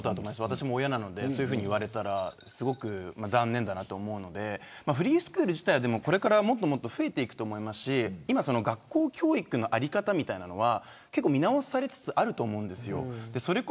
私も親なので、そう言われたら残念だなと思うのでフリースクール自体はこれから増えていくと思いますし学校教育の在り方が見直されつつあると思うんです。